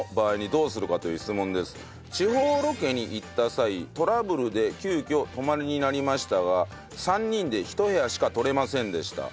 地方ロケに行った際トラブルで急きょ泊まりになりましたが３人で１部屋しかとれませんでした。